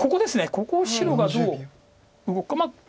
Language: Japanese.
ここを白がどう動くか。